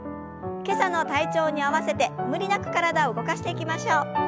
今朝の体調に合わせて無理なく体を動かしていきましょう。